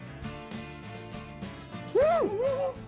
うん！